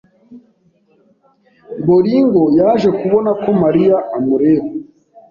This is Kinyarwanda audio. Boringo yaje kubona ko Mariya amureba.